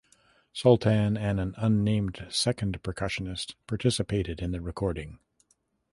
Sultan and an unnamed second percussionist participated in the recording.